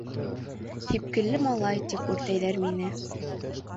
«Һипкелле малай» тип үртәйҙәр мине...